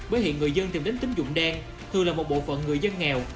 bởi hiện người dân tìm đến tính dụng đen thường là một bộ phận người dân nghèo